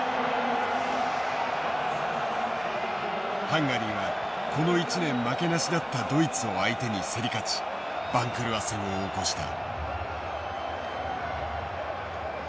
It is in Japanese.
ハンガリーはこの一年負けなしだったドイツを相手に競り勝ち番狂わせを起こした。